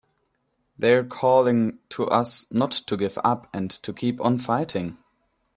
They're calling to us not to give up and to keep on fighting!